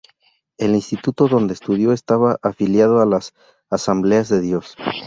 El Insituto donde estudió estaba afiliado a las "Asambleas de Dios".